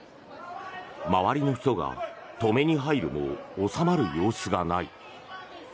周りの人が止めに入るも収まる様子がない。